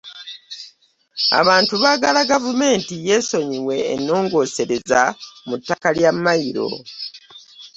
Abantu baagala gavumenti yesonyiwe ennongosereza mu ttaka lya mayiro.